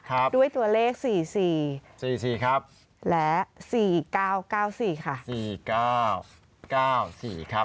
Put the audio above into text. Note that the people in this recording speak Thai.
ครับด้วยตัวเลข๔๔และ๔๙๙๔ค่ะ๔๙๙๔ครับ